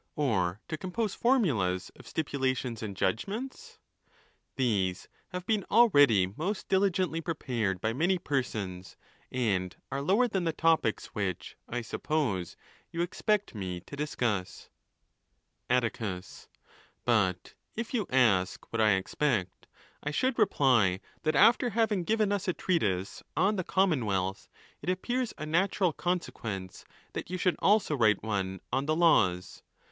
or to compose formulas of stipulations and judgments? These have been already most diligently prepared by many persons, and are _ lower than the topics which, I suppose, you expect me to — discuss, : a ON THE LAWS. 405 V. Alticus.—But, if you ask what I expect, I should reply, that after having given us a treatise on the Common wealth, it appears a natural consequence that you should also write one on the Laws.